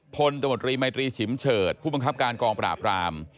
ตมตรีไมตรีฉิมเฉิดผู้บังคับการกองปราบราม